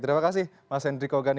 terima kasih mas hendriko gani